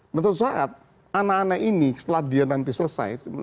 dan suatu saat anak anak ini setelah dia nanti selesai